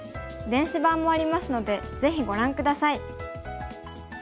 電子版もありますのでぜひご覧下さい。